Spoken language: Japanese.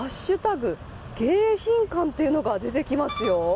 迎賓館っていうのが出てきますよ。